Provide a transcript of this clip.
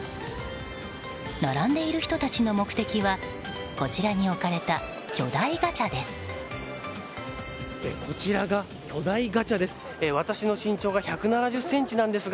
並んでいる人たちの目的はこちらに置かれた巨大ガチャです。